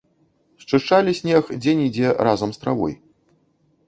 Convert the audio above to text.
Счышчалі снег, дзе-нідзе разам з травой.